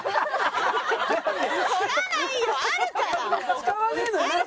使わねえのに。